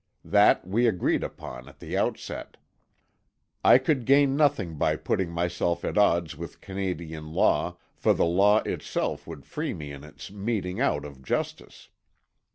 That, we agreed upon, at the outset. I could gain nothing by putting myself at odds with Canadian law, for the law itself would free me in its meteing out of justice.